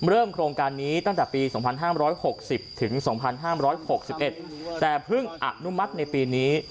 โครงการนี้ตั้งแต่ปี๒๕๖๐ถึง๒๕๖๑แต่เพิ่งอนุมัติในปีนี้